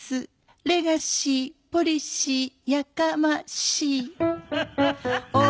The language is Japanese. レガシーポリシーやかましい。